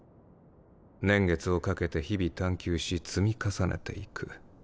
年月をかけて日々探究し積み重ねていく。